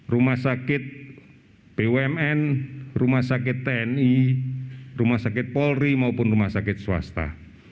rumah sakit bumn rumah sakit tni rumah sakit polri maupun rumah sakit swasta